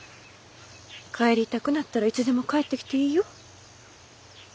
帰りたくなったらいつでも帰ってきていいよ。